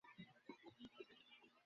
তিনি রকফেরিতেও পড়াশোনা করেছিলেন।